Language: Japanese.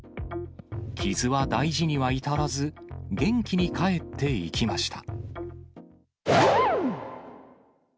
傷は大事には至らず、元気に帰っていきました。